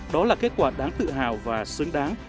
đó là kết quả đáng tự hào và xứng đáng